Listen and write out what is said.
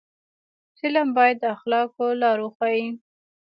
فلم باید د اخلاقو لار وښيي